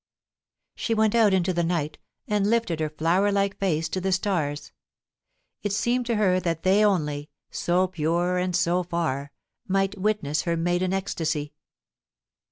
She went out into the night, and lifted her flower like face to the stars. It seemed to her that they only — so pure and so far — might witness her maiden ecstasy.